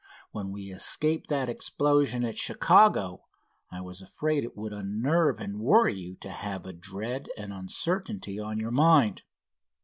When we escaped that explosion at Chicago, I was afraid it would unnerve and worry you to have a dread and uncertainty on your mind.